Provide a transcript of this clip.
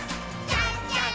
じゃんじゃん！